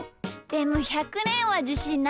でも１００ねんはじしんない。